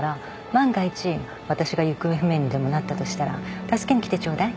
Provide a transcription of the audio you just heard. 万が一私が行方不明にでもなったとしたら助けに来てちょうだい。